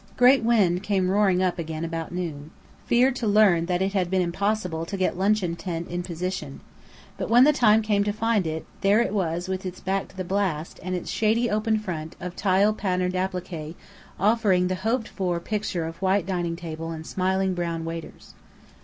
Great wind came roaring up again about noon. Feared to learn that it had been impossible to get luncheon tent in position. But when the time came to find it, there it was with its back to the blast, and its shady open front, of tile patterned appliqué, offering the hoped for picture of white table and smiling brown waiters.